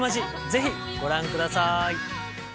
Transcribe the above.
ぜひご覧ください。